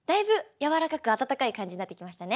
柔らかく温かい感じになってきましたね。